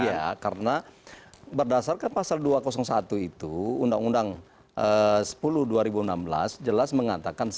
iya karena berdasarkan pasal dua ratus satu itu undang undang sepuluh dua ribu enam belas jelas mengatakan